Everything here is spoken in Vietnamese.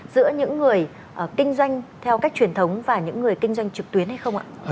giữa những người kinh doanh theo cách truyền thống và những người kinh doanh trực tuyến hay không ạ